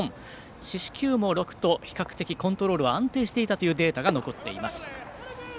四死球も６と比較的、コントロールは安定していたというデータが残っています。